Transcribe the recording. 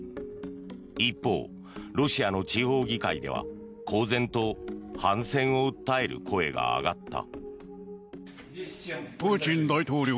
一方、ロシアの地方議会では公然と反戦を訴える声が上がった。